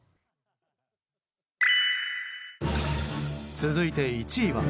続いて１位は。